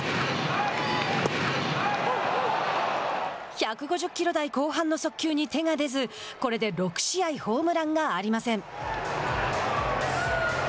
１５０キロ台後半の速球に手が出ずこれで６試合ホームランがありません。